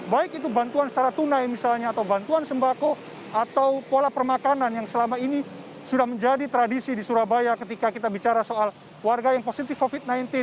baik itu bantuan secara tunai misalnya atau bantuan sembako atau pola permakanan yang selama ini sudah menjadi tradisi di surabaya ketika kita bicara soal warga yang positif covid sembilan belas